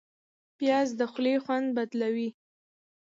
پیاز د خولې خوند بدلوي